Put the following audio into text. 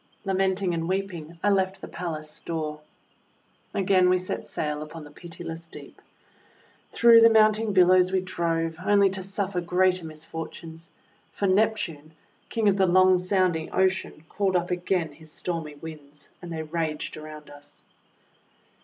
Lamenting and weeping, I left the palace door. Again we set sail upon the pitiless deep. Through the mounting billows we drove, only to suffer greater misfortunes, for Neptune, King of the loud sounding Ocean, called up again his stormy Winds, and they raged around us.